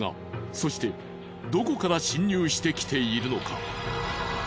そしてどこから侵入してきているのか？